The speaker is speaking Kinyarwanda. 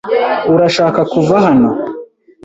Urashaka kuva hano?